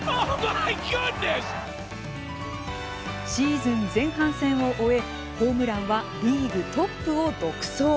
シーズン前半戦を終えホームランはリーグトップを独走。